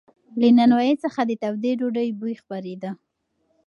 له نانوایۍ څخه د تودې ډوډۍ بوی خپرېده.